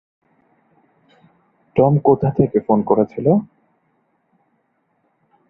Tom কোথা থেকে phone করেছিল?